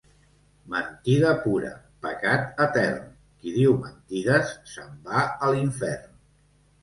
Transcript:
Mentida pura, pecat etern; qui diu mentides, se'n va a l'infern.